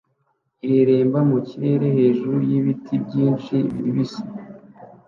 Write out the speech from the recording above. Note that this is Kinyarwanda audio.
ireremba mu kirere hejuru y'ibiti byinshi bibisi